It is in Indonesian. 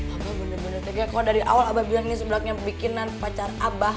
abah bener bener tega kau dari awal abah bilang ini sebelaknya bikinan pacar abah